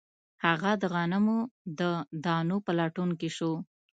هغه د غنمو د دانو په لټون شو